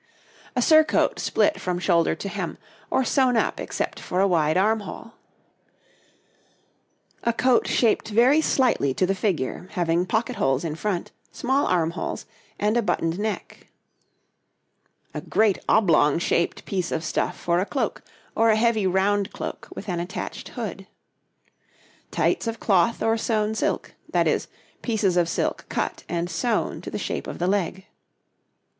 A surcoat split from shoulder to hem, or sewn up except for a wide armhole. A coat shaped very slightly to the figure, having pocket holes in front, small armholes, and a buttoned neck. A great oblong shaped piece of stuff for a cloak, or a heavy, round cloak with an attached hood. Tights of cloth or sewn silk that is, pieces of silk cut and sewn to the shape of the leg.